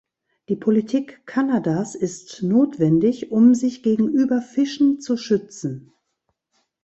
Die Politik Kanadas ist notwendig, um sich gegen Überfischen zu schützen.